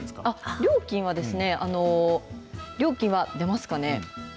料金は料金は出ますかね？